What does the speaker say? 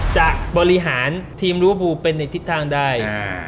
จะบริหารทีมริวปูเป็นในทิศทางได้